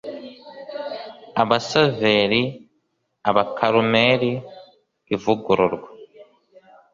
abasaveri, , abakarumeri, ivugururwa